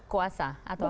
kuasa atau apa